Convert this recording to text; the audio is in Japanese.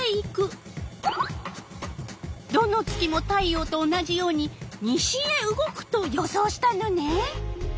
どの月も太陽と同じように西へ動くと予想したのね。